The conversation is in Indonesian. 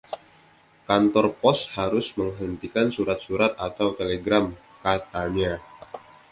“Kantor Pos harus menghentikan surat-surat atau telegram”, katanya.